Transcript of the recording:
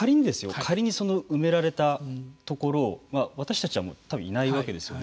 仮に埋められたところを私たちはもうたぶんいないわけですよね